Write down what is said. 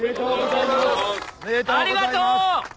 ありがとう！